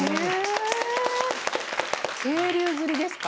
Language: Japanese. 渓流釣りですか。